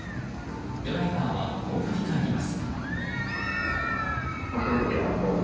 ドライバーは、こう振り返ります。